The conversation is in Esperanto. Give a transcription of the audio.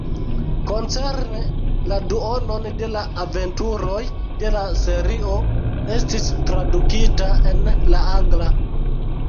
Koncerne la duonon de la aventuroj de la serio estis tradukita en la angla.